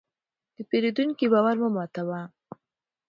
د پیرودونکي باور مه ماتوه.